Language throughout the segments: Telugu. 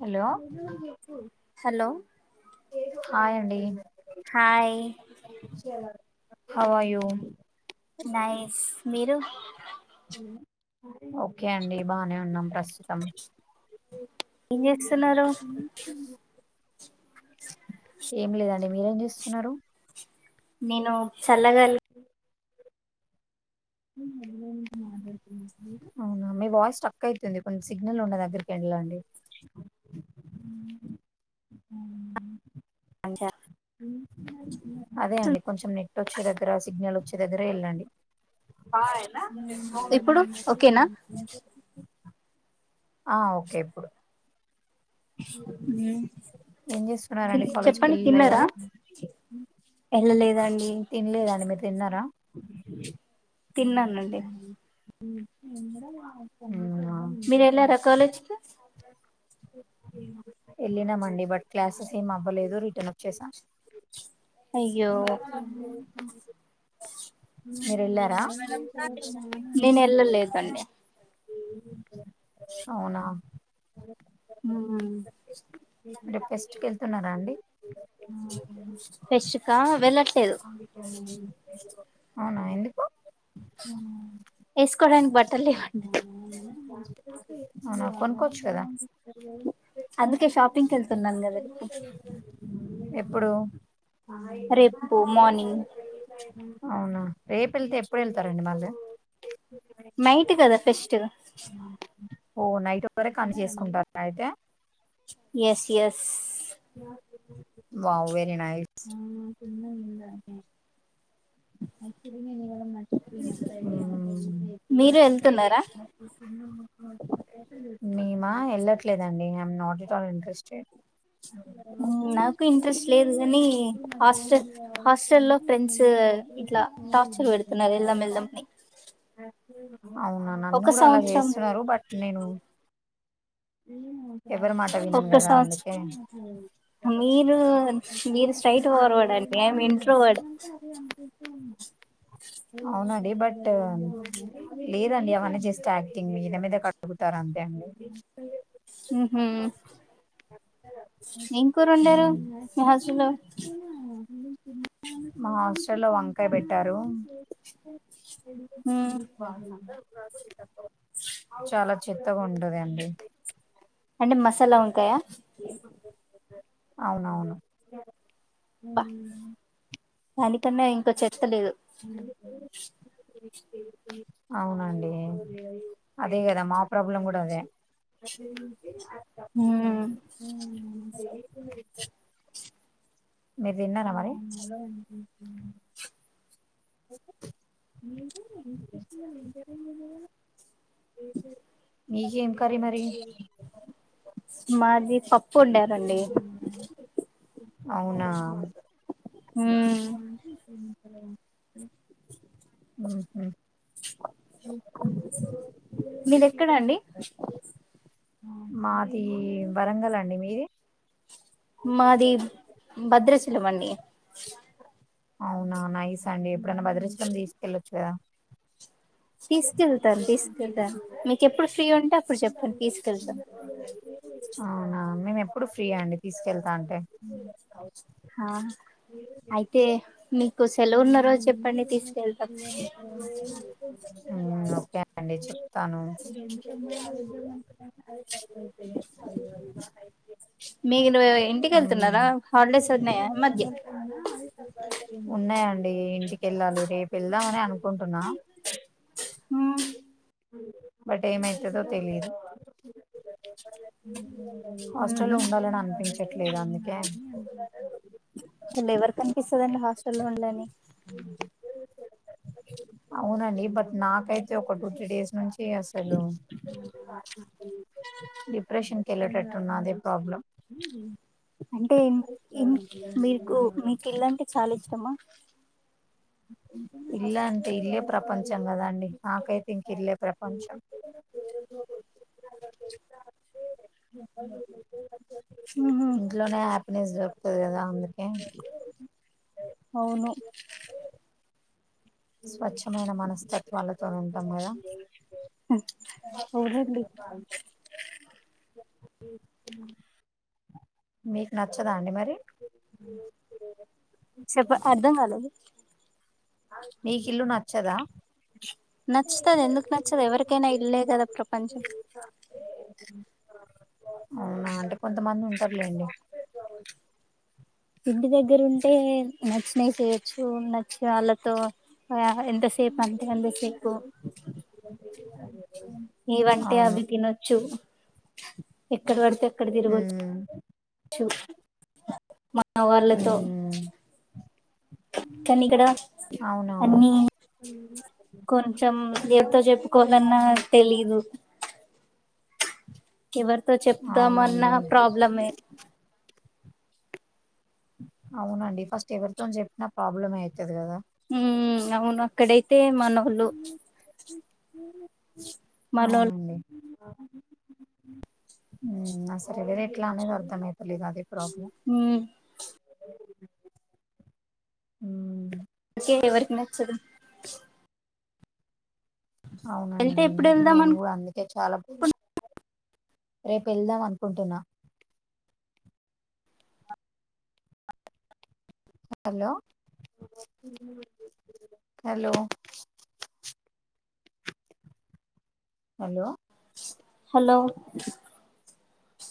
హలో హలో హాయండి హాయ్ హౌవయు నైస్ మీరు ఓకే అండి బానే ఉన్నాం ప్రస్స్ తం ఏం చే స్సున్నారు. ఏం లేదండి మీరేం చేస్సున్నారు. నేను చల్లగాలి అవునా మీ వాయిస్ స్టక్ అయితుంది కొన్ని సిగ్నల్ నుండ దగ్గరికి ఎల్నండి. అం ట అదే అండి కొంచెం నె వచ్చే దగ్గర సిగ్నల్ వచ్చే దగ్గర ఎళ్ళండి. నా ఇన్ ఎప్పుడూ ఒకేనా ఆ ఓకే ఇప్పుడు ఏం చేస్తున్నారండి కాలేజ్కి చెప్పని వెళ్ళిలా తినరా ఇవాళ ఎ బ తినలేదండి మీరు తిన్నారా తిన్నానండి ఉ మీర ఎలార కాలేజ్ వెళ్ళినామండి బట్ క్లాసెస్ ఏం అవ్వలేదు రిటర్న్ వాచెస్ అయ్యో మీరు వెళ్ళారా నేను వెళ్ళలేదండి అవునా హ రే ఫెస్ట్ వెళ్తున్నారా అండి [inaudible] ఫెస్టక వెళ్ళట్లేదు అవునా ఎందుకు వేసుకోడానికి బట్టలు లేవండి నాకు కొనుక్కోవచ్చు కదా అందుకే షాపింగ్ కళ్తును నన్ గదరి ఎప్పుడు రేపు మార్నింగ్ [inaudible] అవునా రేపు వెళ్తే ఎప్పుడు వెళ్తారండి మళ్ళు మైట్ కదా ఫెస్ట్ ఓ నైట్ వర కని చేసుకుంటారుా అయితే ఎస్ ఎస్ వో వెరనాయిస్ మీరు వెళ్తున్నారా మేమా వెళ్ళట్లేదండి మ్ నాట్ ఇట్ ఆల్ ఇంట్రెస్టెడ్ నాకు ఇంట్రెస్ట్ లేదు కాని హాస్టల్ హాస్ట లో ఫ్రెండ్స్ ఇట్లా టార్చర్ పెడుతున్నారు వెళ్దాం వెళ్దాంని నన్న కూడా అలా చేస్తున్నారు బట్ నేను ఎవ్వర మాట వినను కదా అందుకే అ మీరు మీర స్ట్రైట్ ఫర్వడ్ అండి ఏం ఇంట్ర వాడ్ అవునండి బట్ లేదండి అవన్న జస్ట్ యాక్టింగ్ మీన మీద కడుగుతారు అంతే హ ఇం కూరు ఉండారు ఉమ్. ఈహజలు మా హాస్టల్ వంకాయ పెట్టారు హ రా చాలా చెత్తగా ఉంటదండి అంటే మసాలా ఉంటాయా అవునవును దానికన్నా ఇంకో చెత్తలేదు అవునండి అదే కదా మా ప్రాబ్లం కూడా అదే హ మీరు విన్నారా మరి మీీకేం కరీ మరి మాది పప్పు ఉండారండి అవునా హ ఉహు మీర ఎక్కడండి మాది వరంగల్ అండి మీది మాది భద్రచీల అన్నీ అవునా నైస్ అండి ఎప్పుడైనా భద్రచం తీసుకెళ్ళొచ్చు కదా తీసుకెళ్తాను తీసుకెళ్తాను మీకు ఎప్పుడు ఫ్రీ ఉంటే అప్పుడు చెప్తాను తీసుకెళ్తాను నేను ఎప్పుడు ఫ్రీ అండి తీసుకెళ్తా అంటే ఆ అయితే మీకు సెలవు ఉన్న రోజు చెప్పండి మ్మ్ తీసుకెళ్తాం ఓకే అండి చెప్తాను మీకు నువ ఇంటిక మ్మ్ వెళ్తున్నారా హాలిడేస్ అన్నాయా మధ్య కల్లా లే రే పిల్ ఎలా మర అనుకుంటున్నా బట్ ఏమయితుదో తెలిదు హాస్టల్ లో ఉహు ఉండాలని అనిపించి పెట్లేదు అందుకే ఇళ ఎవరి కనిపిస్తుందిండి హాస్టల్ లో ఉళని అవునండి బట్ నాకైతే ఒక టూ త్రీ డేస్ నుంచి అసలు డిప్రెషన్కి వెళ్ళేటట్టున్న అదే ప్రాబ్లం అంటేం ఇం మీకు మీకు ఇల్లాంటి చాలించడమ్మా ఇలా అంటే ఇల్రే ప్రపంచ కొంచం కదండి నాకైతే ఇంక ఇల్లే ప్రపంచం ఉహు ఇంట్లోనే హ్యాపీనెస్ జ పుల్లగా ఉంది ఏం వద్దు అవును స్వచ్ చ్చమైన మనస్తత్వాలతోను సంగదా అవునండి. మీకు నచ్చదా అండి మరి చెప్పు అర్ధం కాలేదు. నీకిల్లు నచ్చదా నచ్చుతది ఎందుకు నచ్చదు ఎవరికైనా ఇల్లే కదా ప్రపంచం. అవునా అంటే కొంతమంది ఉంటార్లేండి. ఇంటి దగ్గర ఉంటే నచ్చినవి చేయొచ్చు నచ్చినాళ్ళతో యహా ఎంత సేపు అంతే ఎంత సేపు ఏవంటే అవును అవి తినొచ్చు. ఎక్కడ బడితే అక్కడ ఉమ్ తిరగచ్చు. మన వాళ్లతో హ్మ్ కానీ ఇక్కడ అవునవును. అన్నీ కొంచం దేంతో చెప్పుకోవాలన్నా తెలీదు. ఎవరితో చెప్తామన్న అవునండి. ప్రాబ్లమే. అవునండి ఫస్ట్ ఎవరితో చెప్పినా ప్రాబ్లమే అయితది కదా ఊ అవును అక్కడ యితే మనోళ్ళు మనోల్ ఊ ఆ సదివేద్ ఎట్లా అనేది అర్థమయిత లేదు అదే ప్రాబ్లమ్ ఉమ్, ఊ అందుకే ఎవరికి నచ్చదు. వెళ్తే అవునండి ఎప్పుడు వెళ్దాం అనుకో నేనుకూడ అందుకే చాలా [inaudible] రేపు వెళ్దాం అనుకుంటున్నా హలో హలో హలో హలో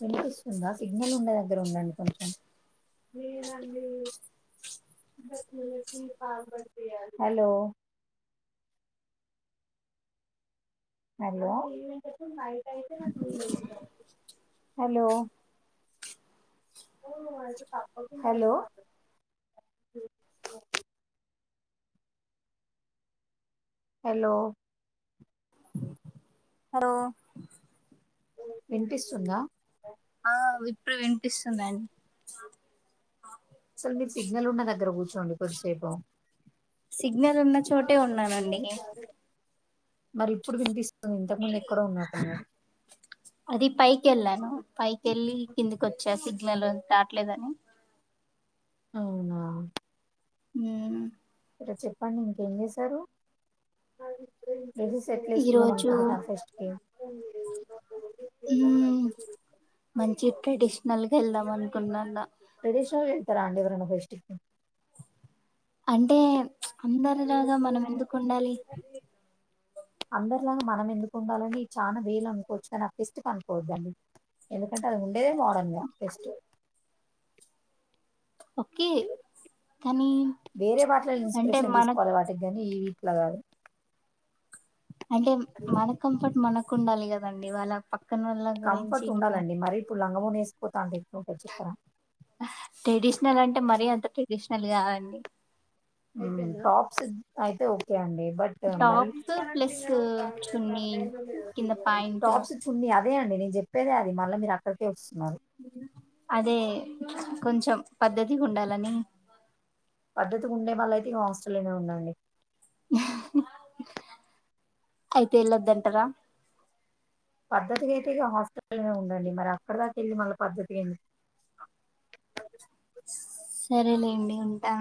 వినిపిస్తుందా సిగ్నల్ ఉండే దగ్గర ఉండండి కొంచెం [inaudible] హలో హలో నైట్ అయితె నాకు వీలయితుంది. హలో హలో హలో హాలో వినిపిస్తుందా ఆ ఇప్పుడు వినిపిస్తుందండి. అసలు మీరు సిగ్నల్ ఉన్న దగ్గర కూర్చోండి కొద్దిసేపు సిగ్నల్ ఉన్న చోటే ఉన్నానండి. మరి ఇప్పుడు వినిపిస్తు అను ఇంతకు ముందు ఎక్కడో ఉన్నాట్టున్నారు పై కెళ్లి కిందికి వచ్చా సి లలో దాట్లేదుని అవునా హ్మ్మ్ సరే చెప్పండి ఇంకేం చేశారు ఏది సెట్లు ఏసుకుందాం ఈరోజు అనుకుంటున్నారా ఫెస్ట్ కి [unintelligible] ఉమ్మ్ మంచి ట్రెడిషనల్గా వెళ్దాం అనుకున్నాన్న రరేష్ త అండి ఎవరన్న ఫెస్ట్ కి అంటే అందరిలాగా మనం ఎందుకు ఉండాలి అందరిలాగా మనం ఎందుకు ఉండాలని చాలా వేలు అనుకోవచ్చు కాని ఆ ఫెస్ట్ క అనుకోవద్దండి ఎందుకంటే అది ఉండేదే మోడర్న్ గా ఫెస్ట్ ఓకే కానీ వేరే వాటల అంటే ఇన్స్పిరేషన్ మన తీసుకోవాలి వాటికి కానీ ఈ అట్లా గాదు అంటే మన కంఫర్ట్ మనకు ఉండాలి కదండి వాళ్ళ పక్క కంఫర్ట్ ఉండాలండి మరి ఇప్పుడు లంగ ఓని వేసుకోతా అంటే అట్లా ఉంటది చెప్పరా ట్రెడిషనల్ అంటే మరీ అంత ట్రెడిషనల్ కదండీ టాప్స్ అయితే ఓకే అండి బట్ మరి టాప్స్ ప్లస్ చున్నీ కింద పాయింట్ టాప్స్ చున్నీ ఆ అదే అండి నేను చెప్పేదే అది మళ్ళీ మీరు అక్కడికే వస్తున్నారు అదే కొంచెం పద్ధతిగా ఉండాలని పద్ధతి ఉండే వాళ్ళ అయితే హాస్టలోనే ఉండండి అయితే ఎల్లోడంతరా పద్ధతికి అయితే ఇక హాస్టల్నే ఉండండి మరి అక్కడ దాక వెళ్ళి మళ్ళీ పద్ధతికి ఏంటి సరేలేండి ఉంటా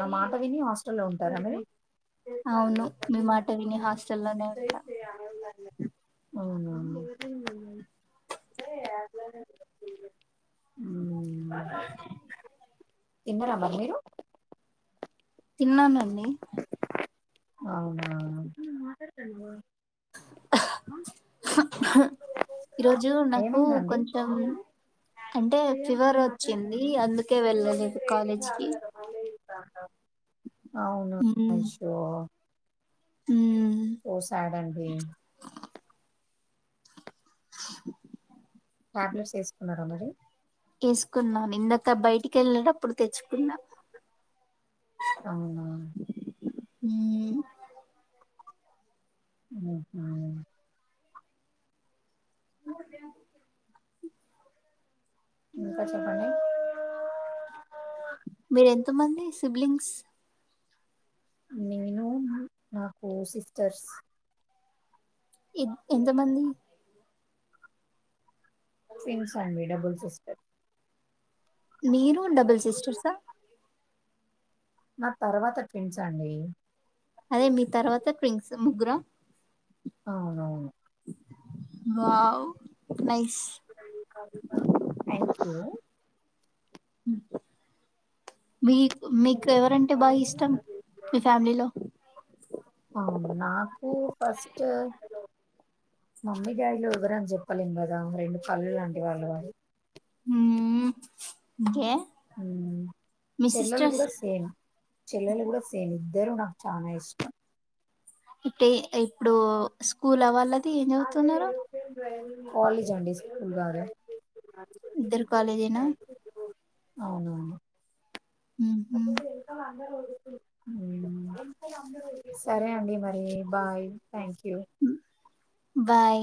నా మాట విని హాస్టల్ల్లో ఉంటారా మీరు అవును మీ మాట విని హాస్టల్లోనే ఉంటా అవునా ఉమ్మ్ తిన్నరా మరి మీరు తిన్నానండి అవునా ఈరోజు నాకు ఏమైందండి కొంచెం అంటే ఫీవర్ వచ్చింది అందుకే వెళ్ళలేదు కాలేజ్ కి [unintelligible] అవును అషో ఊ వస్తాడండి టాబ్లెట్స్ వేసుకున్నారా మరి వేసుకున్నాను ఇందాక బయటికి వెళ్ళడప్ ఆప్పుడు తెచ్చుకున్నా అవునా హు ఉహు ఇంకా చెప్పండి మీరు ఎంత మంది సిబ్లింగ్స్ నేను నాకు సిస్టర్స్ ఎ ఎంత మంది ట్విన్స్ అండి డబుల్ సిస్టర్ మీరు డబుల్ సిస్టర్సా నా తర్వాత ట్విన్స్ అండి అదే మీ తర్వాత ట్విన్స్ ముగ్గుర అవునవును వావ్ నైస్ థ్యాక్యూ ఉ మీ మీకు ఎవరంటే బాగా ఇష్టం మీ ఫ్యామిలీలో అవును మమ్మీడాడీలో ఏవరం చెప్పలేం కదా రెండు కళ్ళలాంటి వాళ్ళు వారు హు ఓకే హు మీ చెల్లలు సిస్టర్స్ కూడా సేమ్ చెల్లలు కూడా సేమి ఇద్దారు నాకు చానా ఇష్టం అయితే ఇప్పుడు స్కూల వాళ్ళ కాలేజ్ అండి స్కూల్ కాదు ఇద్దరు కాలేజ్ నా అవునువును ఉహు హు సరే అండి మరి బాయ్ థ్యాంక్ యూ బాయ్